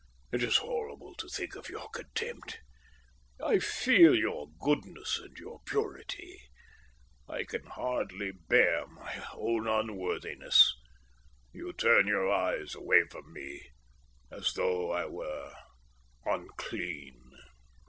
It is horrible to think of your contempt. I feel your goodness and your purity. I can hardly bear my own unworthiness. You turn your eyes away from me as though I were unclean."